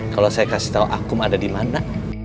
kalo saya kasih tau akum ada dimana